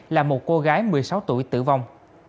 là một cô gái một mươi sáu tuổi tử vong